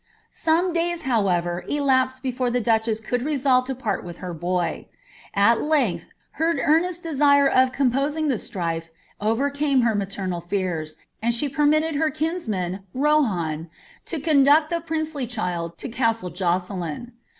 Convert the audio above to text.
Some day*, however, elapsed before tlie duchess could resolve to purl with her boy. At length, her eumest desire of composing the strife overcame h^r matenial fears, and she permitted her kinsman. Kolian, lo conduct the pnncely child to castle Josselin.